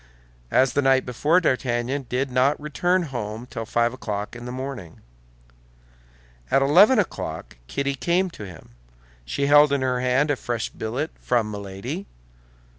As the night before, D'Artagnan did not return home till five o'clock in the morning. At eleven o'clock Kitty came to him. She held in her hand a fresh billet from Milady.